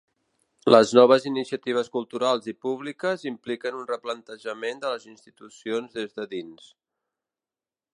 Les noves iniciatives culturals i públiques impliquen un replantejament de les institucions des de dins.